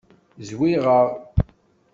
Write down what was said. Zwiɣeɣ.